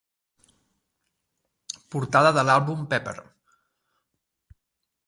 Portada de l'àlbum Pepper.